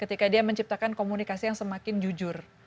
ketika dia menciptakan komunikasi yang semakin jujur